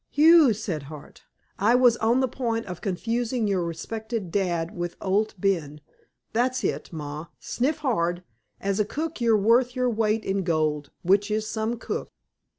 "Phew!" said Hart. "I was on the point of confusing your respected dad with Owd Ben ... That's it, ma! Sniff hard! As a cook you're worth your weight in gold, which is some cook."